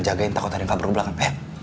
jagain takut ada yang kabur ke belakang pak